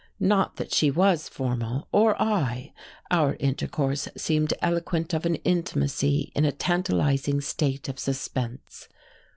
Not that she was formal, or I: our intercourse seemed eloquent of an intimacy in a tantalizing state of suspense.